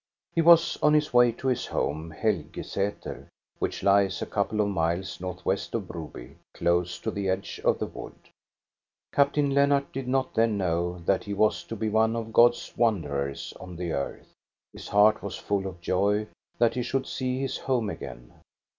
He was on his way to his home, Helgesater, which lies a couple of miles northwest of Broby, close to the edge of the wood. Captain Lennart did not then know that he was to be one of God's wanderers on the earth. His heart was full of joy that he should see his home again.